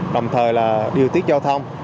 đồng thời điều tiết giao thông